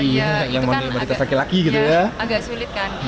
ya itu kan agak sulit kan